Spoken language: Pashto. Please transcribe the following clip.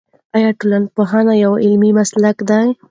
آیا ټولنپوهنه یو علمي مسلک دی؟